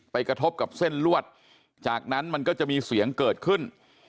กระทบกับเส้นลวดจากนั้นมันก็จะมีเสียงเกิดขึ้น